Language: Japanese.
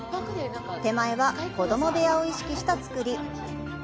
手前は子ども部屋を意識した造り。